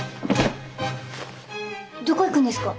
どこ行くんですか？